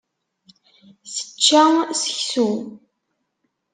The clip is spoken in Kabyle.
Tečča seksu.